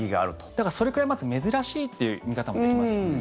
だから、それくらいまず、珍しいという見方もできますよね。